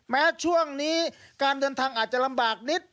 แม้ช่วงนี้การเดินทางอาจจะลำบากนิด